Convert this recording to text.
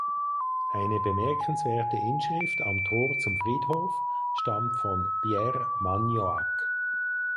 Eine bemerkenswerte Inschrift am Tor zum Friedhof stammt von "Pierre Magnoac".